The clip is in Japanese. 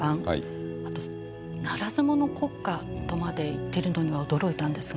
あとならず者国家とまで言っているのには驚いたんですが。